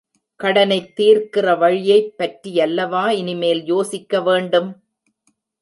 கடனைத் தீர்க்கிற வழியைப் பற்றியல்லவா இனிமேல் யோசிக்க வேண்டும்?